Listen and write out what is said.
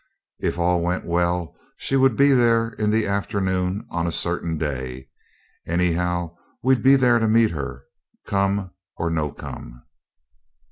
If all went well she would be there in the afternoon on a certain day; anyhow we'd be there to meet her, come or no come.